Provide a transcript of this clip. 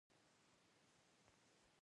په برټانیه کې د روسیې سفیر کنټ شووالوف.